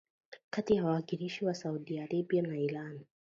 kati ya wawakilishi wa Saudi Arabia na Iran